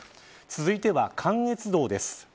続いては、関越道です。